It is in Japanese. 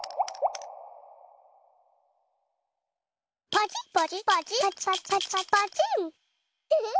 パチパチパチパチ。